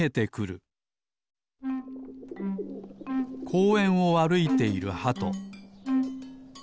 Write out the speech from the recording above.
こうえんをあるいているハト。